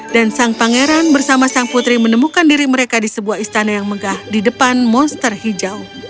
dan sang pangeran bersama sang putri menemukan diri mereka di sebuah istana yang megah di depan monster hijau